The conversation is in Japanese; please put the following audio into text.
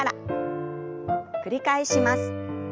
繰り返します。